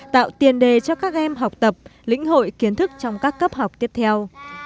tạo tiền đề cho các em học tập lĩnh hội kiến thức trong các cấp học tiếp theo